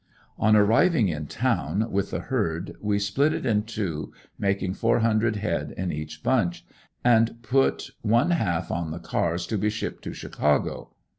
On arriving in town with the herd we split it in two, making four hundred head in each bunch, and put one half on the cars to be shipped to Chicago.